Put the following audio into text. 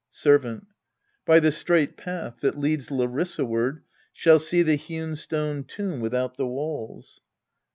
Servant. By the straight path that leads Larissa ward Shall see the hewn stone tomb without the walls.